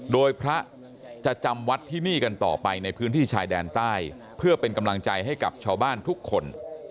โดยพระจะจำวัดที่นี่กันต่อไปในพื้นที่ชายแดนใต้เพื่อเป็นกำลังใจให้กับชาวบ้านทุกคน